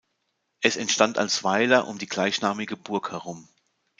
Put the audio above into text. Es entstand als Weiler um die gleichnamige Burg herum.